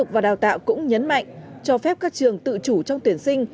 và đào tạo cũng nhấn mạnh cho phép các trường tự chủ trong tuyển sinh